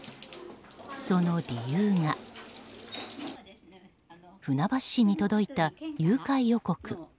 その理由が船橋市に届いた誘拐予告。